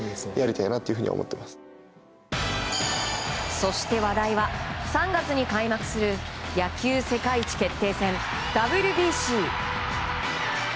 そして、話題は３月に開幕する野球世界一決定戦、ＷＢＣ。